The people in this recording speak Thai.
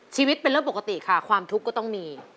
ชีวิตเป็นเรื่องปกติค่ะความทุกข์ก็ต้องมี